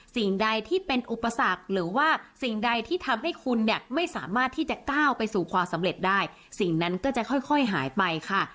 สิ่งใดที่เป็นอุปสรรคหรือว่าสิ่งใดที่ทำให้คุณเนี่ยไม่สามารถที่จะก้าวไปสู่ความสำเร็จได้สิ่งนั้นก็จะค่อยหายไปค่ะ